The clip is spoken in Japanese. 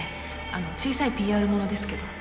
小さいＰＲものですけど。